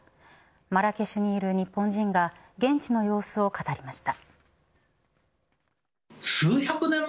マラケシュにいる日本人が現地の様子を語りました。